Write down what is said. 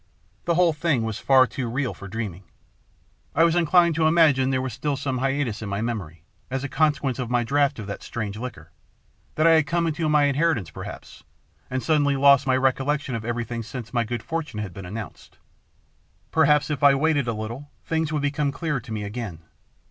The whole thing was far too real for dreaming. I was inclined to imagine there was still some hiatus in my memory, as a consequence of my draught of that strange liqueur; that I had come into my inheritance per haps, and suddenly lost my recollection of everything since my good fortune had been announced. Per haps if I waited a little, things would be clearer to me again.